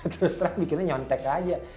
terus terang bikinnya nyontek aja